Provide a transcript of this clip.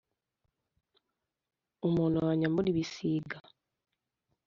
umuntu wanyambura ibisiga